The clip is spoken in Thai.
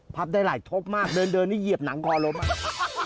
ได้หลายทบมากเดินนี่เหยียบหนังคอล้มอ่ะ